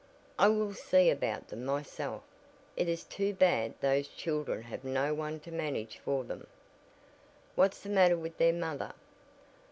I will see about them myself. It is too bad those children have no one to manage for them." "What's the matter with their mother?"